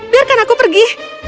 biarkan aku pergi